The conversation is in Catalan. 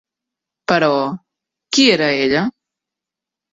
Però, qui era ella?